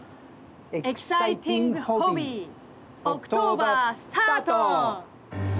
「エキサイティングホビー」オクトーバースタート！